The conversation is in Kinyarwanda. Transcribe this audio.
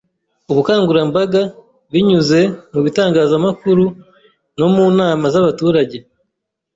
Ubukangurambaga binyuze mu bitangazamakuru no mu nama z’abaturage,